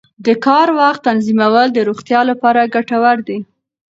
د کار وخت تنظیمول د روغتیا لپاره ګټور دي.